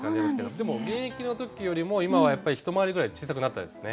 でも現役の時よりも今はやっぱり一回りぐらい小さくなったですね。